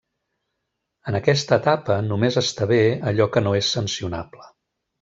En aquesta etapa només està bé allò que no és sancionable.